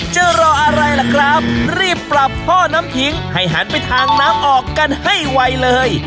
จะรออะไรล่ะครับรีบปรับท่อน้ำทิ้งให้หันไปทางน้ำออกกันให้ไวเลย